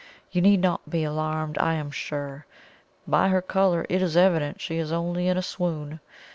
You need not be alarmed, I am sure. By her colour it is evident she is only in a swoon.